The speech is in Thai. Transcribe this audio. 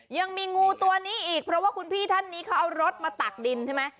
ยังมีงูตัวนี้อีกเพราะว่าคุณพี่ท่านนี้เขาเอารถมาตักดินใช่ไหม